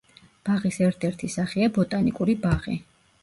ბაღის ერთ-ერთი სახეა ბოტანიკური ბაღი.